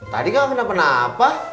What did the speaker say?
tadi gak kenapa napa